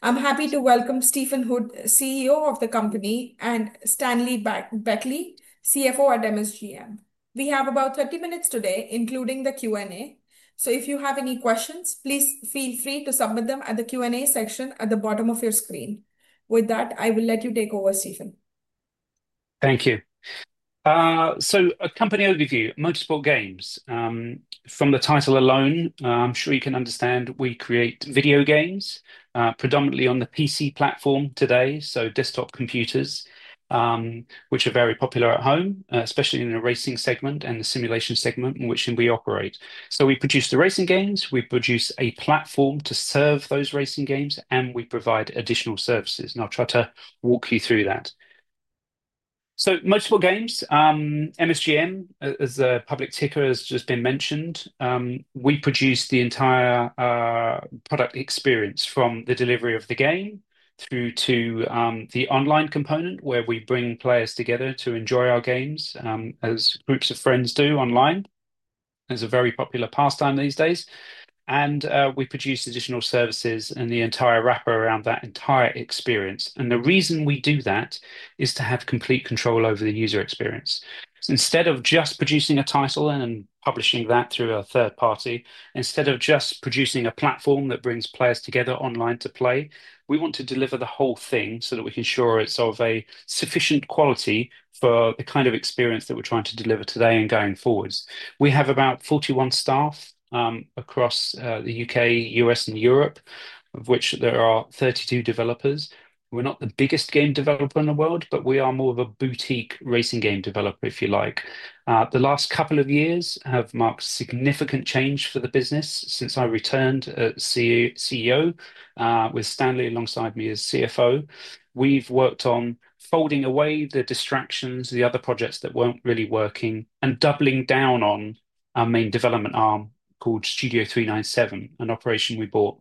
I'm happy to welcome Stephen Hood, CEO of the company, and Stanley Beckley, CFO at MSGM. We have about 30 minutes today, including the Q&A. If you have any questions, please feel free to submit them at the Q&A section at the bottom of your screen. With that, I will let you take over, Stephen. Thank you. A company overview, Motorsport Games. From the title alone, I'm sure you can understand we create video games, predominantly on the PC platform today, so desktop computers, which are very popular at home, especially in the racing segment and the simulation segment in which we operate. We produce the racing games, we produce a platform to serve those racing games, and we provide additional services. I'll try to walk you through that. Motorsport Games, MSGM, as a public ticker has just been mentioned, we produce the entire product experience from the delivery of the game through to the online component where we bring players together to enjoy our games as groups of friends do online. It's a very popular pastime these days. We produce additional services and the entire wrapper around that entire experience. The reason we do that is to have complete control over the user experience. Instead of just producing a title and publishing that through a third party, instead of just producing a platform that brings players together online to play, we want to deliver the whole thing so that we can ensure it's of a sufficient quality for the kind of experience that we're trying to deliver today and going forward. We have about 41 staff across the U.K., U.S., and Europe, of which there are 32 developers. We're not the biggest game developer in the world, but we are more of a boutique racing game developer, if you like. The last couple of years have marked a significant change for the business since I returned as CEO, with Stanley alongside me as CFO. We've worked on folding away the distractions, the other projects that weren't really working, and doubling down on our main development arm called Studio 397, an operation we bought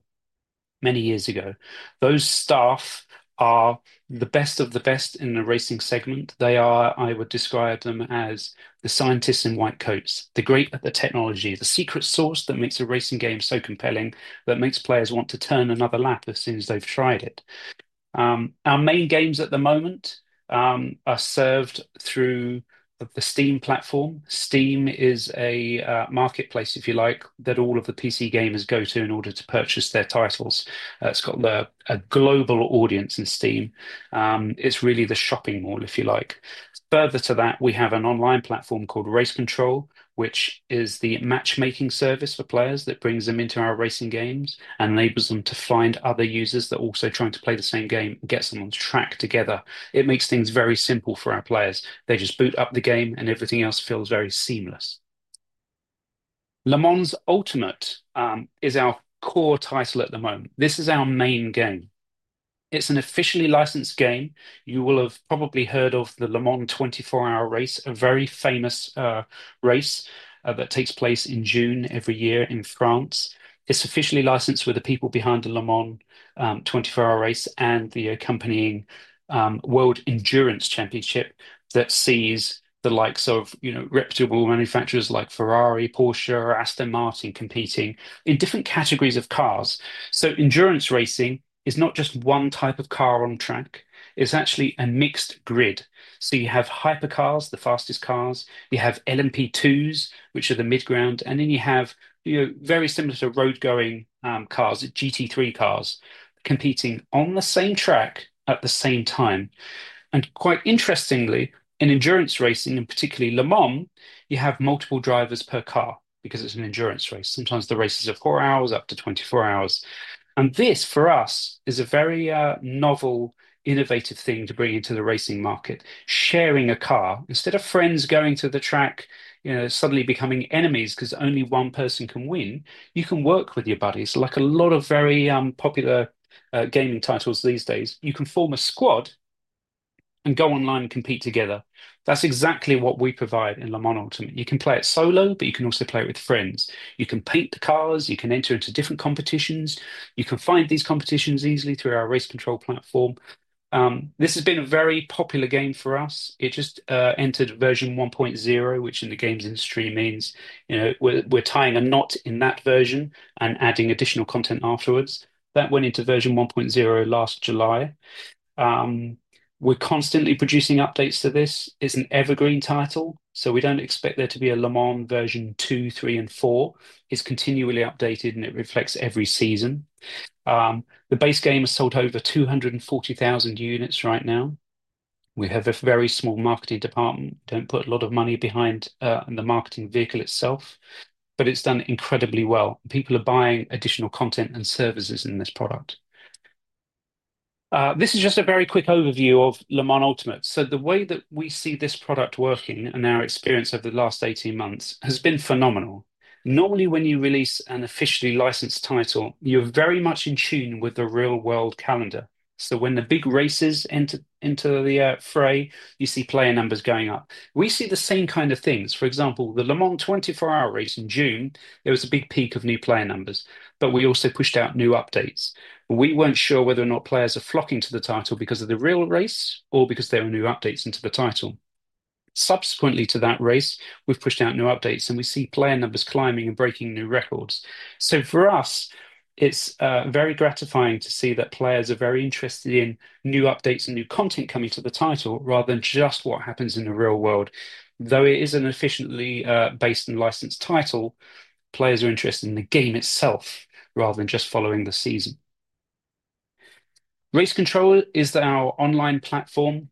many years ago. Those staff are the best of the best in the racing segment. I would describe them as the scientists in white coats, the great of the technology, the secret sauce that makes a racing game so compelling that makes players want to turn another lap as soon as they've tried it. Our main games at the moment are served through the Steam platform. Steam is a marketplace, if you like, that all of the PC gamers go to in order to purchase their titles. It's got a global audience in Steam. It's really the shopping mall, if you like. Further to that, we have an online platform called RaceControl, which is the matchmaking service for players that brings them into our racing games and enables them to find other users that are also trying to play the same game, gets them on track together. It makes things very simple for our players. They just boot up the game and everything else feels very seamless. Le Mans Ultimate is our core title at the moment. This is our main game. It's an officially licensed game. You will have probably heard of the Le Mans 24 Hour Race, a very famous race that takes place in June every year in France. It's officially licensed with the people behind the Le Mans 24 Hour Race and the accompanying World Endurance Championship that sees the likes of reputable manufacturers like Ferrari, Porsche, or Aston Martin competing in different categories of cars. Endurance racing is not just one type of car on track. It's actually a mixed grid. You have hypercars, the fastest cars. You have LMP2s, which are the mid-ground, and then you have, very similar to road-going cars, GT3 cars, competing on the same track at the same time. Quite interestingly, in endurance racing, and particularly Le Mans, you have multiple drivers per car because it's an endurance race. Sometimes the races are four hours, up to 24 hours. This, for us, is a very novel, innovative thing to bring into the racing market. Sharing a car, instead of friends going to the track, you know, suddenly becoming enemies because only one person can win, you can work with your buddies. Like a lot of very popular gaming titles these days, you can form a squad and go online and compete together. That's exactly what we provide in Le Mans Ultimate. You can play it solo, but you can also play it with friends. You can paint the cars, you can enter into different competitions, you can find these competitions easily through our RaceControl platform. This has been a very popular game for us. It just entered Version 1.0, which in the games industry means, you know, we're tying a knot in that version and adding additional content afterwards. That went into Version 1.0 last July. We're constantly producing updates to this. It's an evergreen title, so we don't expect there to be a Le Mans Version 2, 3, and 4. It's continually updated and it reflects every season. The base game has sold over 240,000 units right now. We have a very small marketing department. We don't put a lot of money behind the marketing vehicle itself, but it's done incredibly well. People are buying additional content and services in this product. This is just a very quick overview of Le Mans Ultimate. The way that we see this product working and our experience over the last 18 months has been phenomenal. Normally, when you release an officially licensed title, you're very much in tune with the real-world calendar. When the big races enter the fray, you see player numbers going up. We see the same kind of things. For example, the Le Mans 24 Hour Race in June, there was a big peak of new player numbers, but we also pushed out new updates. We weren't sure whether or not players are flocking to the title because of the real race or because there were new updates into the title. Subsequently to that race, we've pushed out new updates and we see player numbers climbing and breaking new records. For us, it's very gratifying to see that players are very interested in new updates and new content coming to the title rather than just what happens in the real world. Though it is an officially based and licensed title, players are interested in the game itself rather than just following the season. RaceControl is our online platform.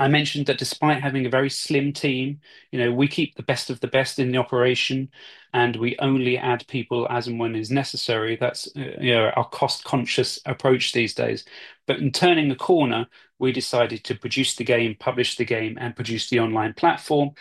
I mentioned that despite having a very slim team, you know, we keep the best of the best in the operation and we only add people as and when it's necessary. That's our cost-conscious approach these days. In turning a corner, we decided to produce the game, publish the game, and produce the online platform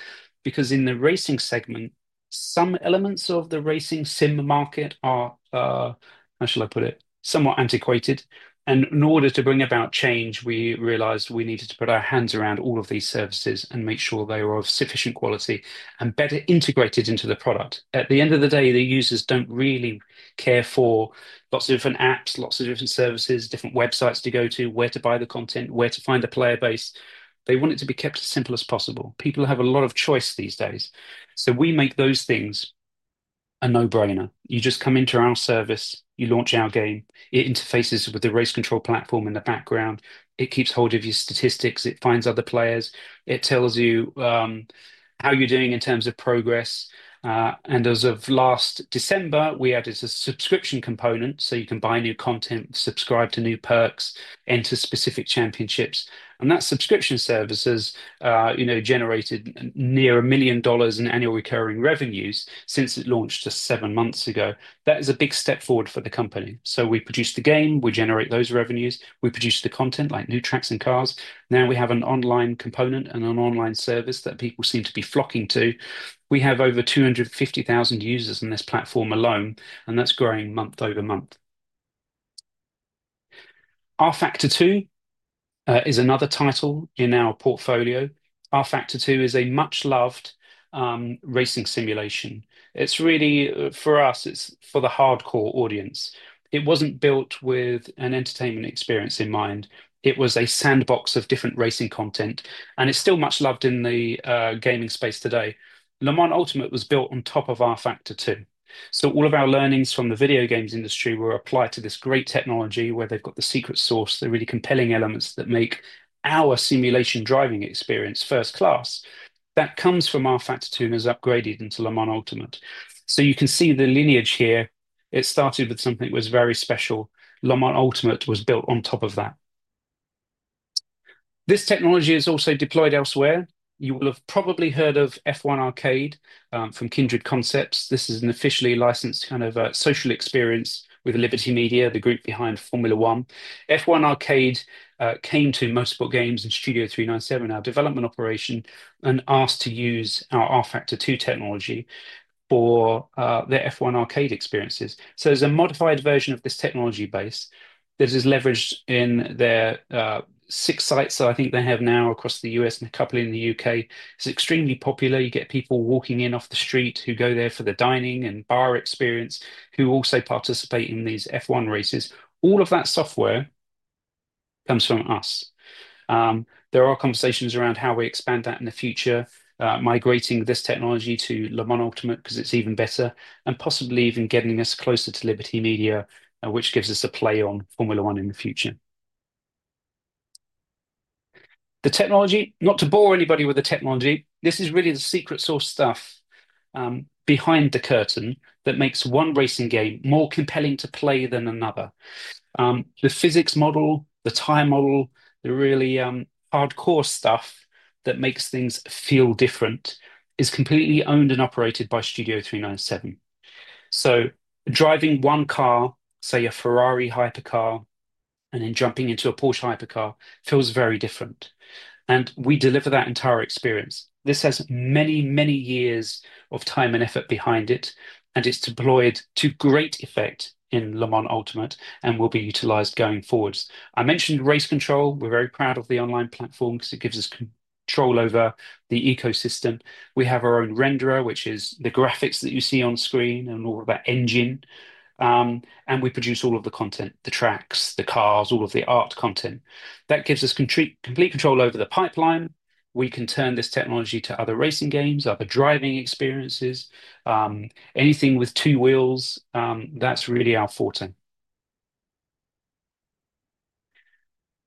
because in the racing segment, some elements of the racing sim market are, how shall I put it, somewhat antiquated. In order to bring about change, we realized we needed to put our hands around all of these services and make sure they were of sufficient quality and better integrated into the product. At the end of the day, the users don't really care for lots of different apps, lots of different services, different websites to go to, where to buy the content, where to find a player base. They want it to be kept as simple as possible. People have a lot of choice these days. We make those things a no-brainer. You just come into our service, you launch our game, it interfaces with the RaceControl platform in the background, it keeps hold of your statistics, it finds other players, it tells you how you're doing in terms of progress. As of last December, we added a subscription component so you can buy new content, subscribe to new perks, enter specific championships. That subscription service has generated near $1 million in annual recurring revenue since it launched just seven months ago. That is a big step forward for the company. We produce the game, we generate those revenues, we produce the content like new tracks and cars. Now we have an online component and an online service that people seem to be flocking to. We have over 250,000 users in this platform alone, and that's growing month over month. rFactor 2 is another title in our portfolio. rFactor 2 is a much-loved racing simulation. It's really, for us, it's for the hardcore audience. It wasn't built with an entertainment experience in mind. It was a sandbox of different racing content, and it's still much loved in the gaming space today. Le Mans Ultimate was built on top of rFactor 2. All of our learnings from the video games industry were applied to this great technology where they've got the secret sauce, the really compelling elements that make our simulation driving experience first class. That comes from rFactor 2 and is upgraded into Le Mans Ultimate. You can see the lineage here. It started with something that was very special. Le Mans Ultimate was built on top of that. This technology is also deployed elsewhere. You will have probably heard of F1 Arcade from Kindred Concepts. This is an officially licensed kind of social experience with Liberty Media, the group behind Formula 1. F1 Arcade came to Motorsport Games and Studio 397, our development operation, and asked to use our rFactor 2 technology for their F1 Arcade experiences. There's a modified version of this technology base that is leveraged in their six sites that I think they have now across the U.S. and a couple in the U.K. It's extremely popular. You get people walking in off the street who go there for the dining and bar experience, who also participate in these F1 races. All of that software comes from us. There are conversations around how we expand that in the future, migrating this technology to Le Mans Ultimate because it's even better, and possibly even getting this closer to Liberty Media, which gives us a play on Formula 1 in the future. The technology, not to bore anybody with the technology, this is really the secret sauce stuff behind the curtain that makes one racing game more compelling to play than another. The physics model, the tire model, the really hardcore stuff that makes things feel different is completely owned and operated by Studio 397. Driving one car, say a Ferrari hypercar, and then jumping into a Porsche hypercar, feels very different. We deliver that entire experience. This has many, many years of time and effort behind it, and it's deployed to great effect in Le Mans Ultimate and will be utilized going forward. I mentioned RaceControl. We're very proud of the online platform because it gives us control over the ecosystem. We have our own renderer, which is the graphics that you see on screen, and all of our engine. We produce all of the content, the tracks, the cars, all of the art content. That gives us complete control over the pipeline. We can turn this technology to other racing games, other driving experiences, anything with two wheels. That's really our forte.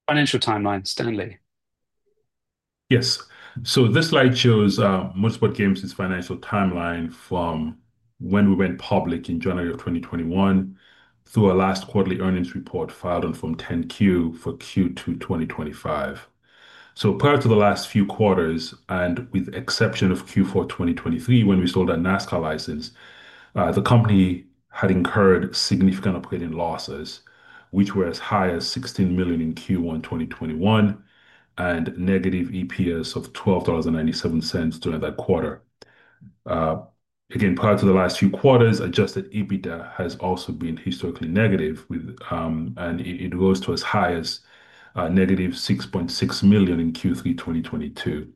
Financial timeline, Stanley. Yes. This slide shows Motorsport Games' financial timeline from when we went public in January of 2021 through our last quarterly earnings report filed on Form 10-Q for Q2 2025. Prior to the last few quarters, and with the exception of Q4 2023, when we sold our NASCAR license, the company had incurred significant operating losses, which were as high as $16 million in Q1 2021 and a negative EPS of $12.97 during that quarter. Prior to the last few quarters, adjusted EBITDA has also been historically negative, and it rose to as high as -$6.6 million in Q3 2022.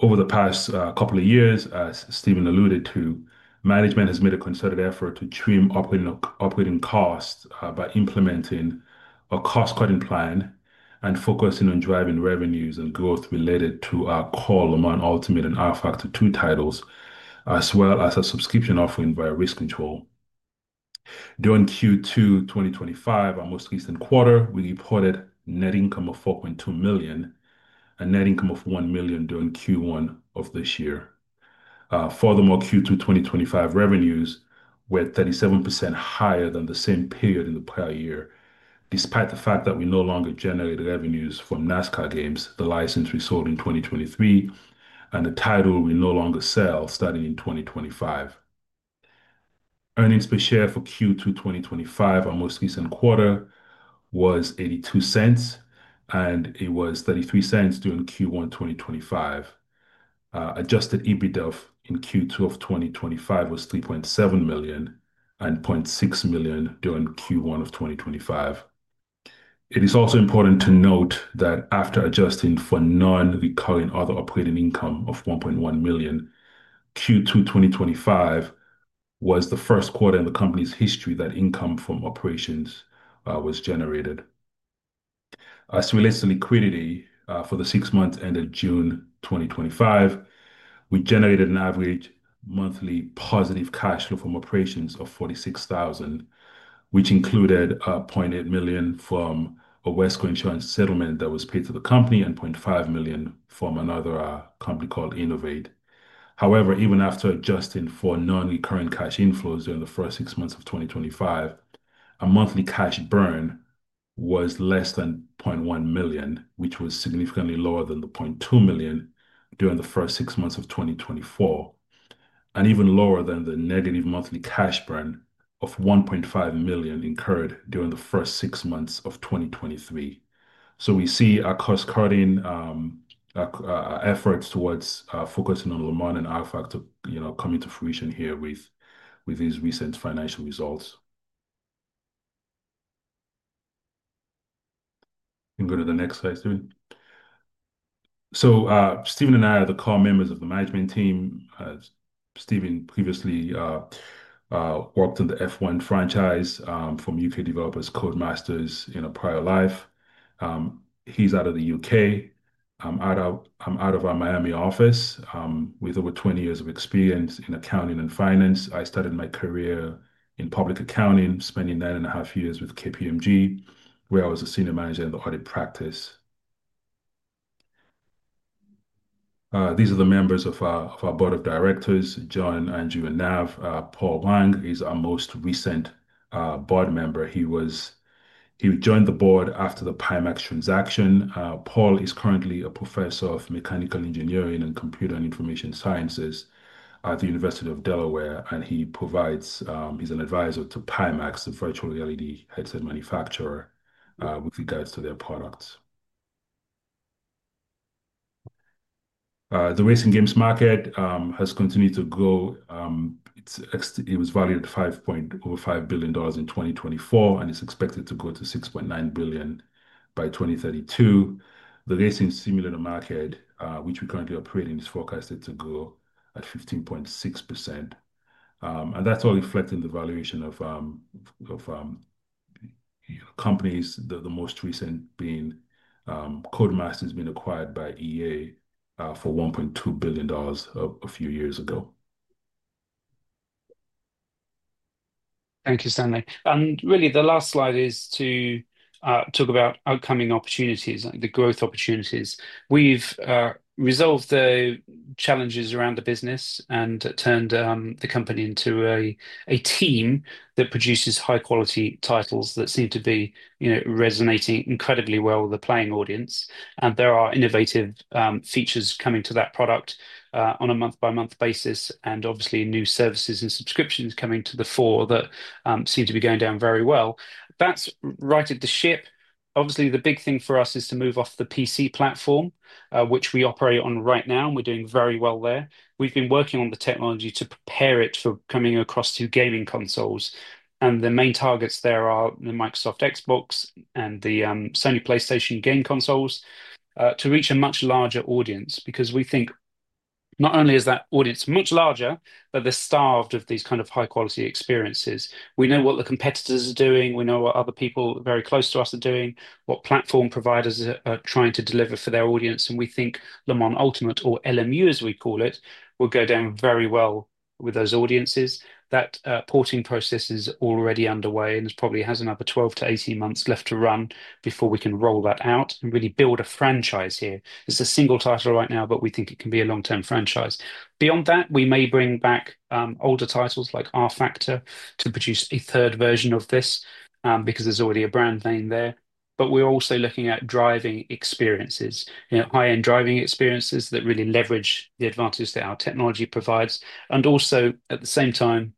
Over the past couple of years, as Stephen alluded to, management has made a concerted effort to trim operating costs by implementing a cost-cutting plan and focusing on driving revenues and growth related to our core Le Mans Ultimate and rFactor 2 titles, as well as a subscription offering via RaceControl. During Q2 2025, our most recent quarter, we reported a net income of $4.2 million and a net income of $1 million during Q1 of this year. Furthermore, Q2 2025 revenues were 37% higher than the same period in the prior year, despite the fact that we no longer generate revenues from NASCAR games, the license we sold in 2023, and the title we no longer sell starting in 2025. Earnings per share for Q2 2025, our most recent quarter, was $0.82, and it was $0.33 during Q1 2025. Adjusted EBITDA in Q2 of 2025 was $3.7 million and $0.6 million during Q1 of 2025. It is also important to note that after adjusting for non-recurring other operating income of $1.1 million, Q2 2025 was the first quarter in the company's history that income from operations was generated. As we recently created for the six months ended June 2025, we generated an average monthly positive cash flow from operations of $46,000, which included $0.8 million from a Wesco Insurance settlement that was paid to the company and $0.5 million from another company called Innovate. However, even after adjusting for non-recurring cash inflows during the first six months of 2025, a monthly cash burn was less than $0.1 million, which was significantly lower than the $0.2 million during the first six months of 2024, and even lower than the negative monthly cash burn of $1.5 million incurred during the first six months of 2023. We see our cost cutting, our efforts towards focusing on Le Mans and rFactor coming to fruition here with these recent financial results. You can go to the next slide soon. Stephen and I are the core members of the management team. Stephen previously worked in the F1 franchise for U.K. developers, Codemasters, in a prior life. He's out of the U.K. I'm out of our Miami office with over 20 years of experience in accounting and finance. I started my career in public accounting, spending nine and a half years with KPMG, where I was a Senior Manager in the audit practice. These are the members of our board of directors: John, Andrew, and Nav. Paul Huang, he's our most recent board member. He joined the board after the Pimax transaction. Paul is currently a Professor of Mechanical Engineering and Computer and Information Sciences at the University of Delaware, and he provides, he's an advisor to Pimax, the virtual LED headset manufacturer, with regards to their products. The racing games market has continued to grow. It was valued at $5.05 billion in 2024, and it's expected to grow to $6.9 billion by 2032. The racing simulator market, which we currently operate in, is forecasted to grow at 15.6%. That's all reflecting the valuation of companies, the most recent being Codemasters, being acquired by EA for $1.2 billion a few years ago. Thank you, Stanley. The last slide is to talk about upcoming opportunities, like the growth opportunities. We've resolved the challenges around the business and turned the company into a team that produces high-quality titles that seem to be resonating incredibly well with the playing audience. There are innovative features coming to that product on a month-by-month basis, and obviously, new services and subscriptions coming to the fore that seem to be going down very well. That's righted the ship. The big thing for us is to move off the PC platform, which we operate on right now, and we're doing very well there. We've been working on the technology to prepare it for coming across to gaming consoles. The main targets there are the Microsoft Xbox and the Sony PlayStation game consoles to reach a much larger audience because we think not only is that audience much larger, but they're starved of these kind of high-quality experiences. We know what the competitors are doing. We know what other people very close to us are doing, what platform providers are trying to deliver for their audience. We think Le Mans Ultimate, or LMU as we call it, will go down very well with those audiences. That porting process is already underway and probably has another 12-18 months left to run before we can roll that out and really build a franchise here. It's a single title right now, but we think it can be a long-term franchise. Beyond that, we may bring back older titles like rFactor 2 to produce a third version of this because there's already a brand name there. We're also looking at driving experiences, high-end driving experiences that really leverage the advantage that our technology provides, and also at the same time,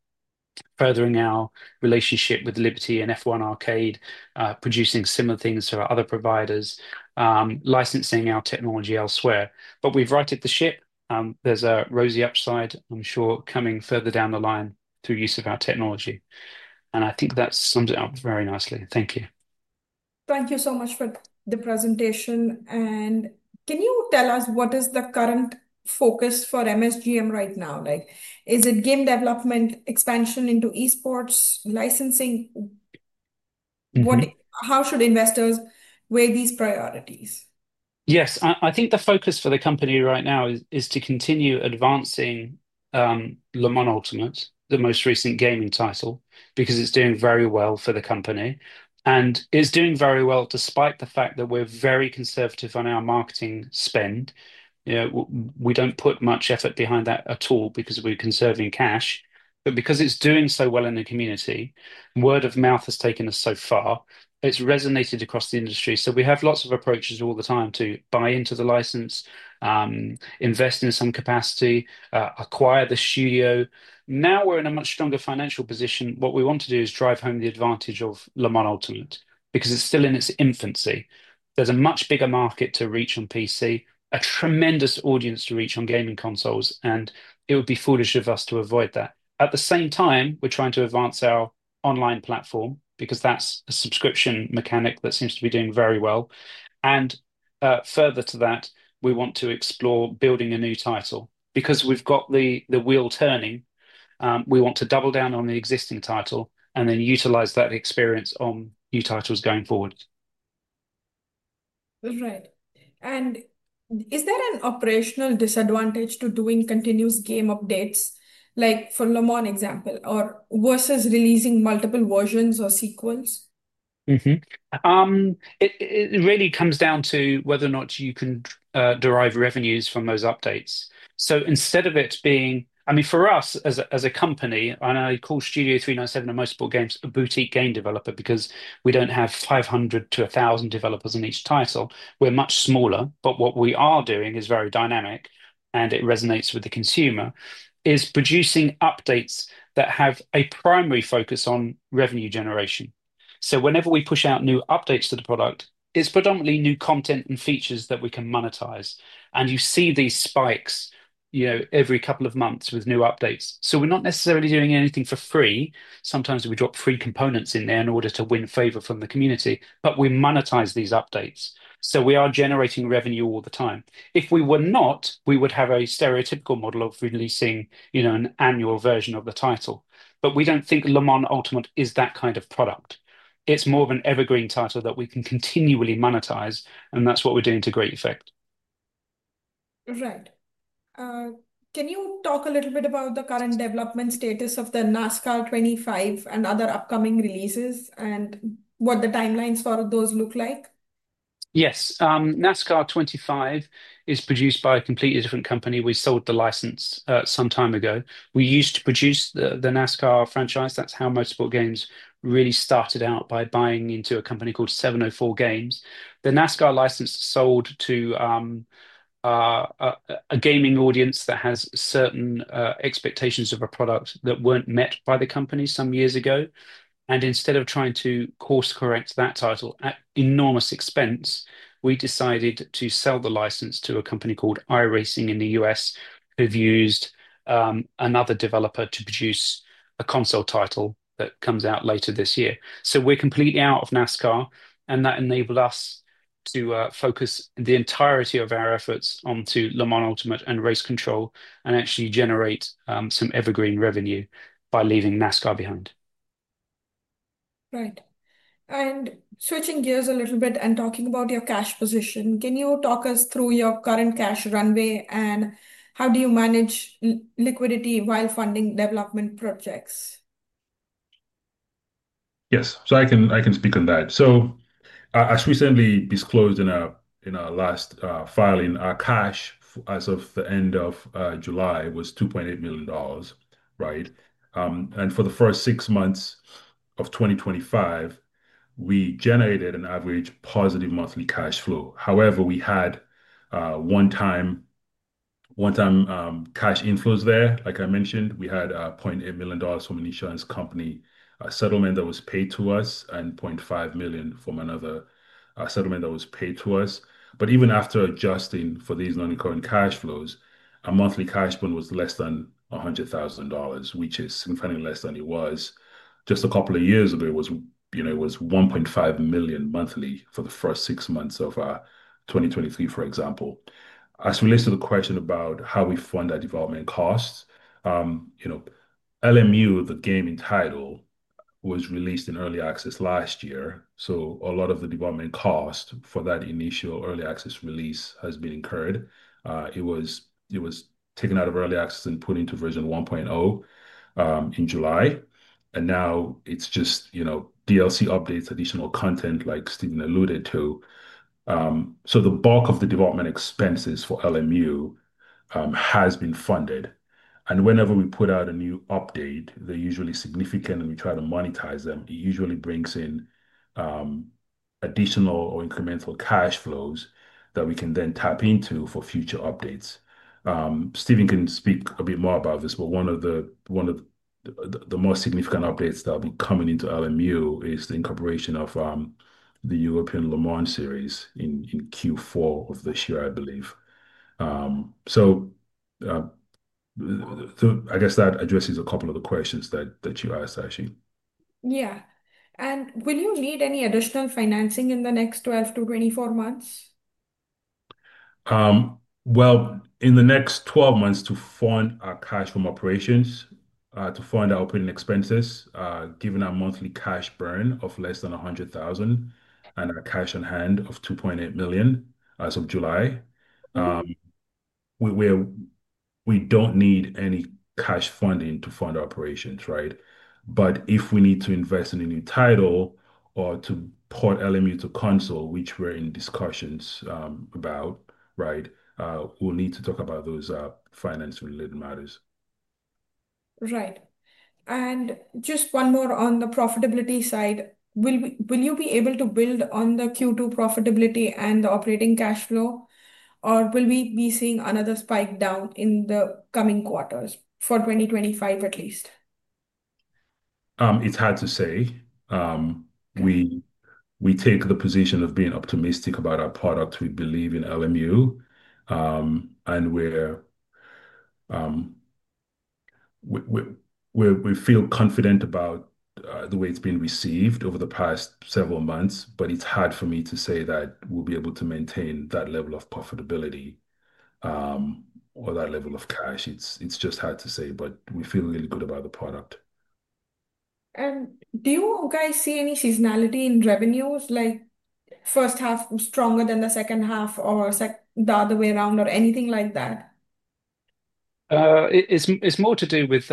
furthering our relationship with Liberty and F1 Arcade, producing similar things to our other providers, licensing our technology elsewhere. We've righted the ship. There's a rosy upside, I'm sure, coming further down the line through use of our technology. I think that sums it up very nicely. Thank you. Thank you so much for the presentation. Can you tell us what is the current focus for MSGM right now? Is it game development, expansion into eSports, licensing? How should investors weigh these priorities? Yes, I think the focus for the company right now is to continue advancing Le Mans Ultimate, the most recent gaming title, because it's doing very well for the company. It's doing very well despite the fact that we're very conservative on our marketing spend. We don't put much effort behind that at all because we're conserving cash. Because it's doing so well in the community, word of mouth has taken us so far. It's resonated across the industry. We have lots of approaches all the time to buy into the license, invest in some capacity, acquire the studio. Now we're in a much stronger financial position. What we want to do is drive home the advantage of Le Mans Ultimate because it's still in its infancy. There's a much bigger market to reach on PC, a tremendous audience to reach on gaming consoles, and it would be foolish of us to avoid that. At the same time, we're trying to advance our online platform because that's a subscription mechanic that seems to be doing very well. Further to that, we want to explore building a new title. Because we've got the wheel turning, we want to double down on the existing title and then utilize that experience on new titles going forward. Is there an operational disadvantage to doing continuous game updates, like for Le Mans Ultimate, versus releasing multiple versions or sequels? It really comes down to whether or not you can derive revenues from those updates. Instead of it being, I mean, for us as a company, and I call Studio 397 and Motorsport Games a boutique game developer because we don't have 500-1,000 developers in each title, we're much smaller, but what we are doing is very dynamic and it resonates with the consumer, is producing updates that have a primary focus on revenue generation. Whenever we push out new updates to the product, it's predominantly new content and features that we can monetize. You see these spikes every couple of months with new updates. We're not necessarily doing anything for free. Sometimes we drop free components in there in order to win favor from the community, but we monetize these updates. We are generating revenue all the time. If we were not, we would have a stereotypical model of releasing an annual version of the title. We don't think Le Mans Ultimate is that kind of product. It's more of an evergreen title that we can continually monetize, and that's what we're doing to great effect. Right. Can you talk a little bit about the current development status of the NASCAR 25 and other upcoming releases, and what the timelines for those look like? Yes. NASCAR 25 is produced by a completely different company. We sold the license some time ago. We used to produce the NASCAR franchise. That's how Motorsport Games really started out by buying into a company called 704Games. The NASCAR license sold to a gaming audience that has certain expectations of a product that weren't met by the company some years ago. Instead of trying to course-correct that title at enormous expense, we decided to sell the license to a company called iRacing in the U.S. who've used another developer to produce a console title that comes out later this year. We're completely out of NASCAR, and that enabled us to focus the entirety of our efforts onto Le Mans Ultimate and RaceControl and actually generate some evergreen revenue by leaving NASCAR behind. Right. Switching gears a little bit and talking about your cash position, can you talk us through your current cash runway and how you manage liquidity while funding development projects? Yes, I can speak on that. As we certainly disclosed in our last filing, our cash as of the end of July was $2.8 million, right? For the first six months of 2025, we generated an average positive monthly cash flow. However, we had one-time cash inflows there. Like I mentioned, we had $0.8 million from an insurance company settlement that was paid to us and $0.5 million from another settlement that was paid to us. Even after adjusting for these non-recurring cash flows, our monthly cash burn was less than $100,000, which is significantly less than it was just a couple of years ago. It was $1.5 million monthly for the first six months of 2023, for example. As it relates to the question about how we fund our development costs, you know, LMU, the gaming title, was released in early access last year. A lot of the development cost for that initial early access release has been incurred. It was taken out of early access and put into Version 1.0 in July. Now it's just, you know, DLC updates, additional content like Stephen alluded to. The bulk of the development expenses for LMU has been funded. Whenever we put out a new update, they're usually significant and we try to monetize them. It usually brings in additional or incremental cash flows that we can then tap into for future updates. Stephen can speak a bit more about this, but one of the most significant updates that will be coming into LMU is the incorporation of the European Le Mans Series in Q4 of this year, I believe. I guess that addresses a couple of the questions that you asked, actually. Will you need any additional financing in the next 12-24 months? In the next 12 months to fund our cash from operations, to fund our operating expenses, given our monthly cash burn of less than $100,000 and our cash on hand of $2.8 million as of July, we don't need any cash funding to fund operations, right? If we need to invest in a new title or to port LMU to console, which we're in discussions about, right, we'll need to talk about those finance-related matters. Right. Just one more on the profitability side, will you be able to build on the Q2 profitability and the operating cash flow, or will we be seeing another spike down in the coming quarters for 2025 at least? It's hard to say. We take the position of being optimistic about our product. We believe in LMU and we feel confident about the way it's been received over the past several months, but it's hard for me to say that we'll be able to maintain that level of profitability or that level of cash. It's just hard to say, but we feel really good about the product. Do you guys see any seasonality in revenues, like first half stronger than the second half or the other way around or anything like that? It's more to do with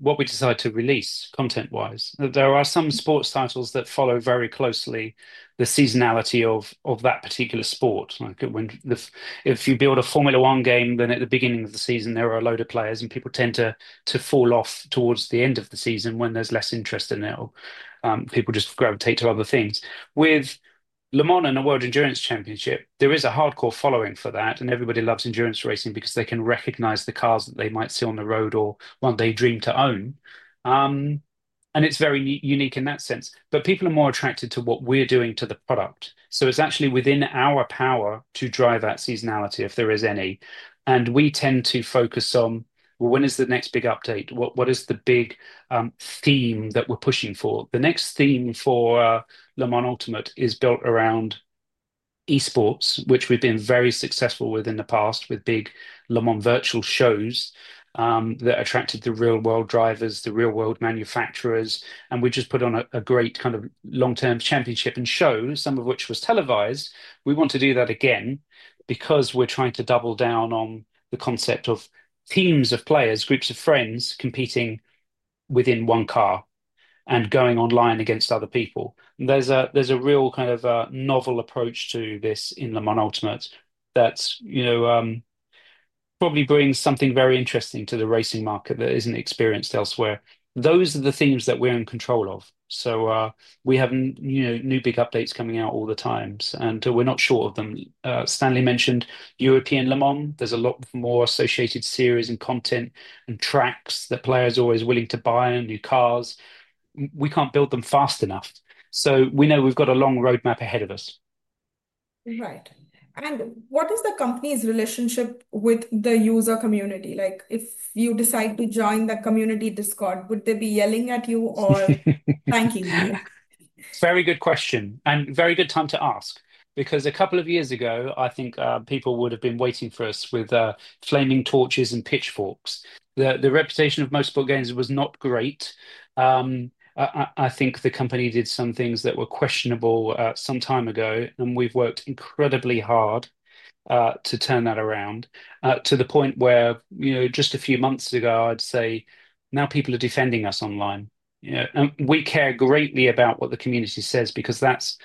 what we decide to release content-wise. There are some sports titles that follow very closely the seasonality of that particular sport. Like if you build a Formula 1 game, then at the beginning of the season, there are a load of players and people tend to fall off towards the end of the season when there's less interest in it. People just gravitate to other things. With Le Mans and a World Endurance Championship, there is a hardcore following for that, and everybody loves endurance racing because they can recognize the cars that they might see on the road or what they dream to own. It's very unique in that sense. People are more attracted to what we're doing to the product. It's actually within our power to drive that seasonality if there is any. We tend to focus on, well, when is the next big update? What is the big theme that we're pushing for? The next theme for Le Mans Ultimate is built around eSports, which we've been very successful with in the past with big Le Mans Virtual shows that attracted the real-world drivers, the real-world manufacturers. We just put on a great kind of long-term championship and show, some of which was televised. We want to do that again because we're trying to double down on the concept of teams of players, groups of friends competing within one car and going online against other people. There's a real kind of novel approach to this in Le Mans Ultimate that probably brings something very interesting to the racing market that isn't experienced elsewhere. Those are the themes that we're in control of. We have new big updates coming out all the time, and we're not short of them. Stanley mentioned European Le Mans. There's a lot more associated series and content and tracks that players are always willing to buy and new cars. We can't build them fast enough. We know we've got a long roadmap ahead of us. Right. What is the company's relationship with the user community? If you decide to join the community Discord, would they be yelling at you or thanking you? Very good question and very good time to ask because a couple of years ago, I think people would have been waiting for us with flaming torches and pitchforks. The reputation of Motorsport Games was not great. I think the company did some things that were questionable some time ago, and we've worked incredibly hard to turn that around to the point where, you know, just a few months ago, I'd say now people are defending us online. We care greatly about what the community says because that's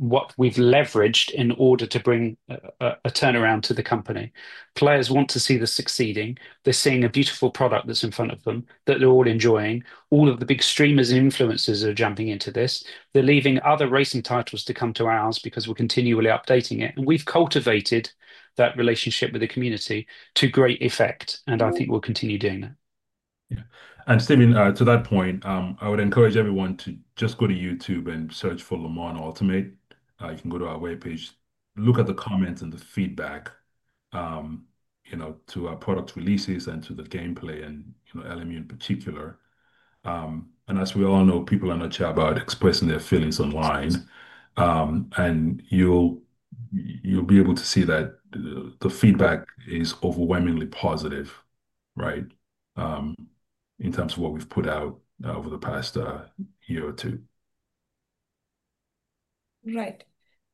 what we've leveraged in order to bring a turnaround to the company. Players want to see the succeeding. They're seeing a beautiful product that's in front of them that they're all enjoying. All of the big streamers and influencers are jumping into this. They're leaving other racing titles to come to ours because we're continually updating it. We've cultivated that relationship with the community to great effect, and I think we'll continue doing that. Yeah. Stephen, to that point, I would encourage everyone to just go to YouTube and search for Le Mans Ultimate. You can go to our web page, look at the comments and the feedback to our product releases and to the gameplay, and LMU in particular. As we all know, people are not sure about expressing their feelings online, and you'll be able to see that the feedback is overwhelmingly positive, right, in terms of what we've put out over the past year or two. Right.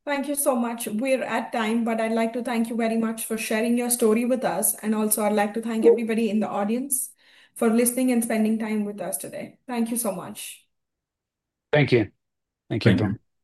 Thank you so much. We're at time, but I'd like to thank you very much for sharing your story with us. I'd also like to thank everybody in the audience for listening and spending time with us today. Thank you so much. Thank you. Thank you, everyone.